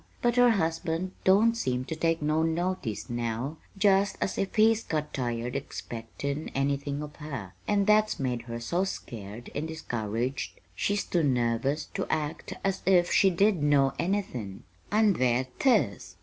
But her husband don't seem to take no notice, now, just as if he's got tired expectin' anythin' of her and that's made her so scared and discouraged she's too nervous to act as if she did know anythin'. An' there 't is.